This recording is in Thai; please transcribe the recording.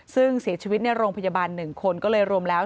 ซึ่งเสียชีวิตในโรงพยาบาล๑คนก็เลยรวมแล้ว